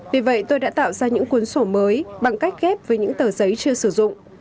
vì vậy tôi đã tạo ra những cuốn sổ mới bằng cách ghép với những tờ giấy chưa sử dụng